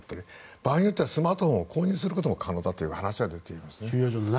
場合によってはスマートフォンを購入することも可能だという話も出ています。